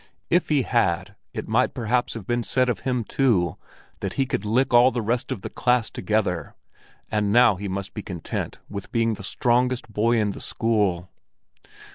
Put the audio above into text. If he had, it might perhaps have been said of him too that he could lick all the rest of the class together; and now he must be content with being the strongest boy in the school.